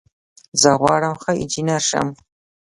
زه غواړم ښه انجنیر شم.